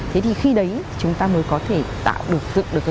thế thì khi đấy chúng ta mới có thể tạo được dựng được